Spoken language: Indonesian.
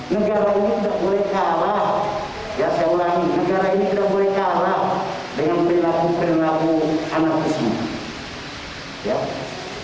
negara ini tidak boleh kalah dengan perilaku perilaku anarkisme